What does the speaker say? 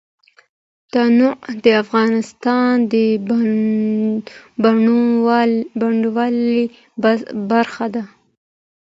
تنوع د افغانستان د بڼوالۍ برخه ده.